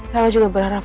papa juga berharap